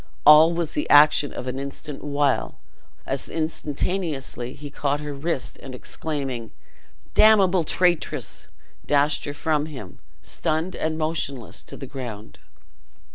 All was the action of an instant while, as instantaneously, he caught her wrist, and exclaiming, "Damnable traitress!" dashed her from him, stunned and motionless to the ground.